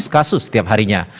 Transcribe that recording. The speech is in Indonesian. seratus kasus setiap harinya